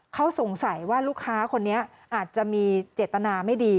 เขาสงสัยว่าลูกค้าคนนี้อาจจะมีเจตนาไม่ดี